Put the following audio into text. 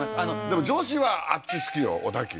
でも女子はあっち好きよ小田急。